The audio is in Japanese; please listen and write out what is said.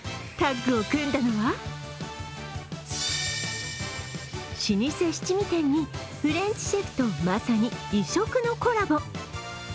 タッグを組んだのは老舗七味店にフレンチシェフとまさに異色のコラボ。